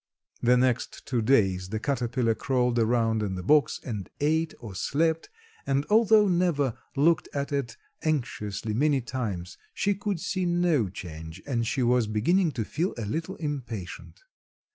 The next two days the caterpillar crawled around in the box and ate or slept and although Neva looked at it anxiously many times she could see no change and she was beginning to feel a little impatient.